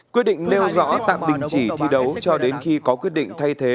quyết định nêu rõ tạm đình chỉ thi đấu cho đến khi có quyết định thay thế